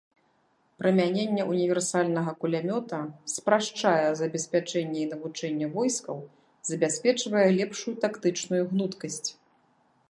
Прымяненне універсальнага кулямёта спрашчае забеспячэнне і навучанне войскаў, забяспечвае лепшую тактычную гнуткасць.